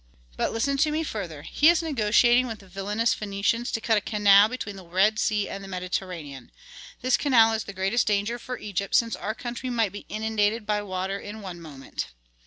"But listen to me further: he is negotiating with villainous Phœnicians to cut a canal between the Red Sea and the Mediterranean. This canal is the greatest danger for Egypt, since our country might be inundated by water in one moment.